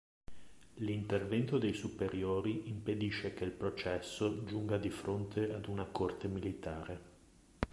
L'intervento dei superiori impedisce che il processo giunga di fronte ad una corte militare.